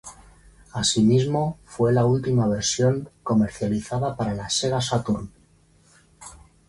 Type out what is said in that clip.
Asímismo, fue la última versión comercializada para Sega Saturn.